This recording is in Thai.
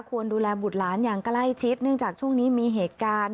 ควรดูแลบุตรหลานอย่างใกล้ชิดเนื่องจากช่วงนี้มีเหตุการณ์